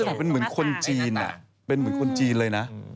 มันเป็นเหมือนคนจีนเป็นเหมือนคนจีนเลยนะ